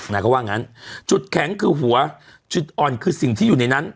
เขาว่างั้นจุดแข็งคือหัวจุดอ่อนคือสิ่งที่อยู่ในนั้น